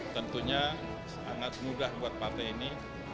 tentunya sangat mudah buat partai ini